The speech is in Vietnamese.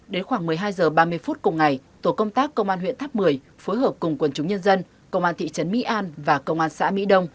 đến khoảng một mươi hai h ba mươi phút cùng ngày tổ công tác công an huyện tháp một mươi phối hợp cùng quần chúng nhân dân công an thị trấn mỹ an và công an xã mỹ đông